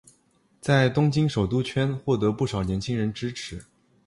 在东京首都圈获得不少年轻人支持。